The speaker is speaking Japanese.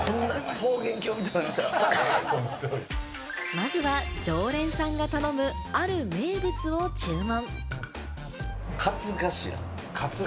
まずは常連さんが頼む、ある名物を注文。